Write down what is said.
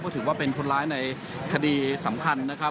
ถือว่าเป็นคนร้ายในคดีสำคัญนะครับ